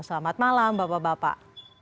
selamat malam bapak bapak